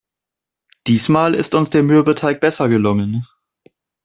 Diesmal ist uns der Mürbeteig besser gelungen.